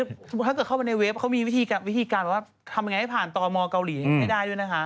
คือถ้าเกิดเข้าไปในเว็บเขามีวิธีการแบบว่าทำยังไงให้ผ่านตมเกาหลีให้ได้ด้วยนะคะ